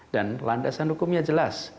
dan landasan hukumnya jelas